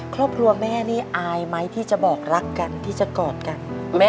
ครอบครัวแม่นี่อายไหมที่จะบอกรักกันที่จะกอดกัน